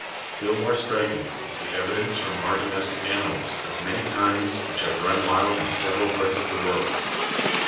Still more striking is the evidence from our domestic ani mals of many kinds which have run wild in several parts of the world.